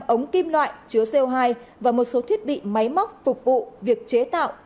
ba trăm sáu mươi năm ống kim loại chứa co hai và một số thiết bị máy móc phục vụ việc chế tạo